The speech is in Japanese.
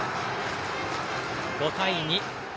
５対２。